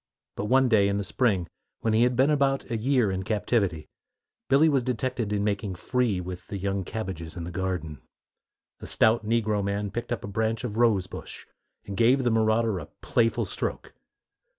But one day, in the spring, when he had been about a year in captivity, Billy was detected in making free with the young cabbages in the garden. A stout negro man picked up a branch of rose bush, and gave the marauder a playful stroke.